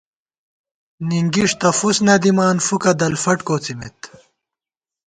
ننگِݭ تہ فُس نہ دِمان، فُوکہ دلفٹ کوڅِمېت